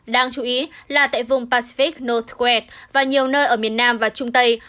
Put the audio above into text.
đáng chú ý là tại vùng pacific northwest và nhiều nơi ở miền nam và trung tây